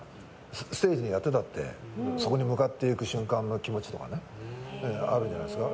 ステージやってたってそこに向かっていく瞬間の気持ちとかあるんじゃないんですか。